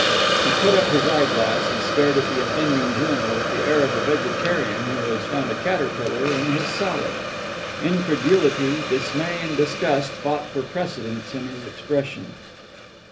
'" He put up his eyeglass, and stared at the offending journal with the air of a vegetarian who has found a caterpillar in his salad. Incredulity, dismay, and disgust fought for precedence in his expression.